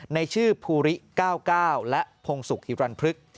ในชื่อภูริ๙๙และพงศุกร์ฮิรันพฤกษ์